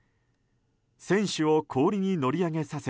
船首を氷に乗り上げさせ